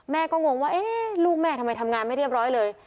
แม่ก็งงว่าเอ๊ะลูกแม่ทำไมทำงานไม่เรียบร้อยเลย